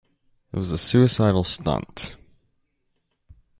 It was a suicidal stunt.